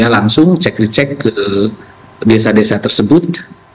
langsung cek recek ke desa desa tersebut